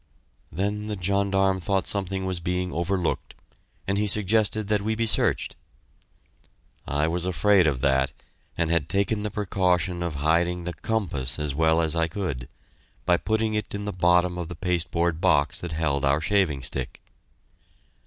Then the gendarme thought something was being overlooked, and he suggested that we be searched. I was afraid of that, and had taken the precaution of hiding the compass as well as I could, by putting it in the bottom of the pasteboard box that held our shaving stick.